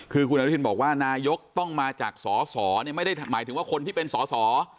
คือคุณอนุทินบอกว่านายกต้องมาจากสอสอไม่ได้หมายถึงว่าคนที่เป็นสอสอ